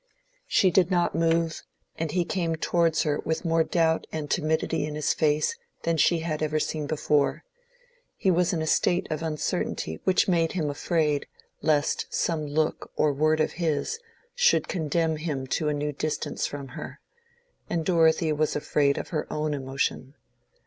She did not move, and he came towards her with more doubt and timidity in his face than she had ever seen before. He was in a state of uncertainty which made him afraid lest some look or word of his should condemn him to a new distance from her; and Dorothea was afraid of her own emotion.